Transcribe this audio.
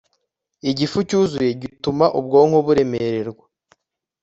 igifu cyuzuye gituma ubwonko buremererwa